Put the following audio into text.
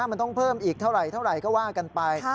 มันต้องเพิ่มอีกเท่าไหร่ก็ว่ากันไป